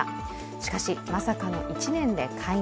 しかし、まさかの１年で解任。